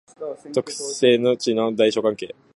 特性値の大小関係